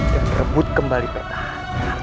dan rebut kembali pertahanan